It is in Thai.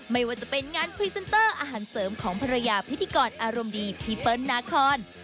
ไม่ว่าจะเป็นงานพรีเซนเตอร์อาหารเสริมของภรรยาพิธีกรอารมณ์ดีพี่เปิ้ลนาคอน